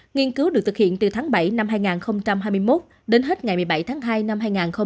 nghiên cứu được thực hiện từ tháng bảy năm hai nghìn hai mươi một đến hết ngày một mươi bảy tháng hai năm hai nghìn hai mươi